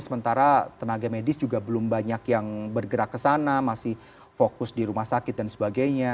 sementara tenaga medis juga belum banyak yang bergerak ke sana masih fokus di rumah sakit dan sebagainya